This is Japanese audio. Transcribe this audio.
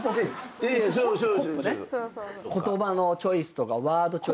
言葉のチョイスとかワードチョイス。